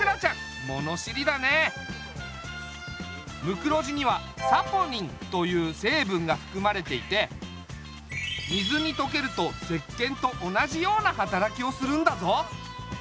ムクロジにはサポニンというせいぶんがふくまれていて水にとけると石けんと同じような働きをするんだぞ。